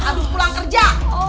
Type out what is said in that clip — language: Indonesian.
abis pulang kerja